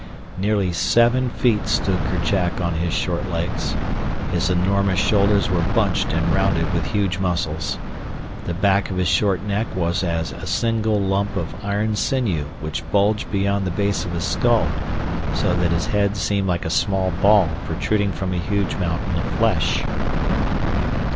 Nearly seven feet stood Kerchak on his short legs. His enormous shoulders were bunched and rounded with huge muscles. The back of his short neck was as a single lump of iron sinew which bulged beyond the base of his skull, so that his head seemed like a small ball protruding from a huge mountain of flesh.